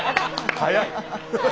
早い！